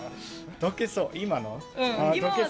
溶けそう。